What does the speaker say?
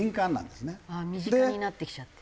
ああ身近になってきちゃって？